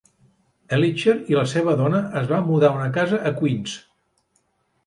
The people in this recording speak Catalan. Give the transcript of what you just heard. Elitcher i la seva dona es van mudar a una casa a Queens.